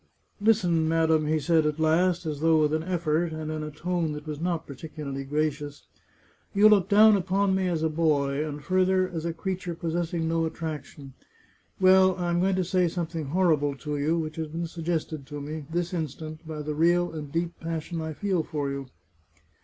" Listen, madam," he said at last, as though with an effort, and in a tone that was not particularly gracious. " You look down upon me as a boy, and further, as a crea ture possessing no attraction. Well, I am going to say something horrible to you, which has been suggested to me, this instant, by the real and deep passion I feel for you.